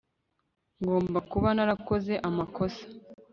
ngomba kuba narakoze amakosa